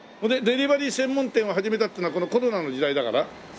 でデリバリー専門店を始めたっていうのはこのコロナの時代だから？